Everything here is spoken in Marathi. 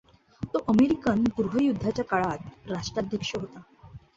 तो अमेरिकन गृहयुद्धाच्या काळात राष्ट्राध्यक्ष होता.